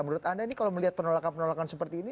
menurut anda ini kalau melihat penolakan penolakan seperti ini